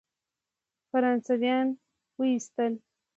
فرانسویان وایستل.